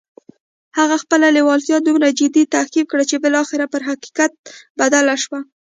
هغه خپله لېوالتیا دومره جدي تعقيب کړه چې بالاخره پر حقيقت بدله شوه.